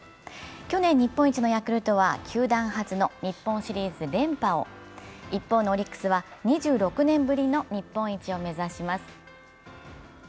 去年日本一のヤクルトは球団初の日本シリーズ連覇を一方のオリックスは２６年ぶりの日本一を目指します。